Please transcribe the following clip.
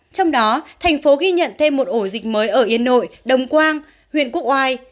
trong đó thành phố ghi nhận thêm một ổ dịch mới ở yên nội đồng quang huyện quốc oai